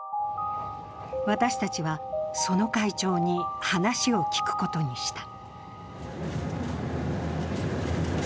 私たちは、その会長に話を聞くことにした。